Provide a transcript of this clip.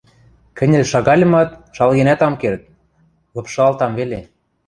Кӹньӹл шагальымат, шалгенӓт ам керд, лыпшалтам веле.